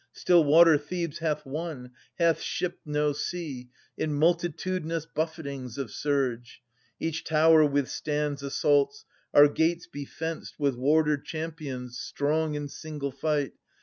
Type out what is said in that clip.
Still water Thebes hath won, hath shipped no sea In multitudinous buffetings of surge. Each tower withstands assaults ; our gates be fenced With warder champions strong in single fight.